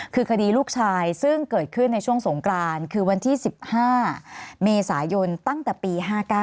คือคดีลูกชายซึ่งเกิดขึ้นในช่วงสงกรานคือวันที่๑๕เมษายนตั้งแต่ปี๕๙